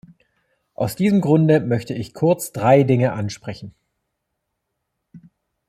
Aus diesem Grunde möchte ich kurz drei Dinge ansprechen.